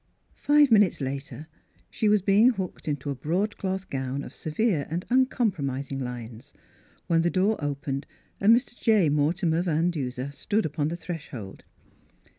Five minutes later she was being hooked into a broadcloth gown of severe and un compromising lines, when the door opened and Mr. J. ^Mortimer Van Duser stood upon the threshold.